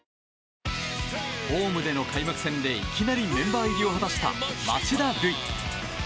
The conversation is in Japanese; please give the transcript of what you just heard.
ホームでの開幕戦でいきなりメンバー入りを果たした町田瑠唯。